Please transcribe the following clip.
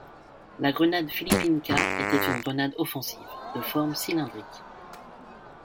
La grenade Filipinka était une grenade offensive, de forme cylindrique.